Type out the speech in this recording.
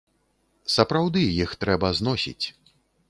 Сапраўды, іх трэба зносіць.